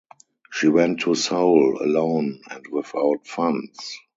She went to Seoul alone and without funds.